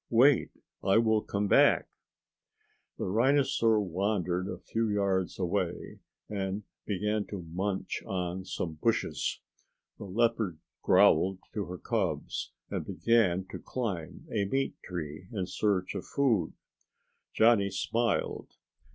"Wait, I will come back." The rhinosaur wandered a few yards away and began to munch on some bushes. The leopard growled to her cubs and began to climb a meat tree in search of food. Johnny smiled.